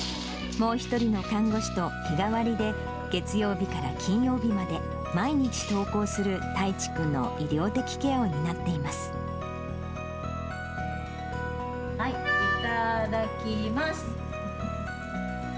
もう１人の看護師と日替わりで、月曜日から金曜日まで毎日登校する大知君の医療的ケアを担っていいただきます。